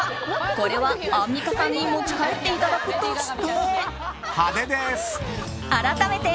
これはアンミカさんに持ち帰っていただくとして。